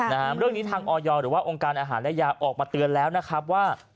นะฮะเรื่องนี้ทางออยหรือว่าองค์การอาหารและยาออกมาเตือนแล้วนะครับว่า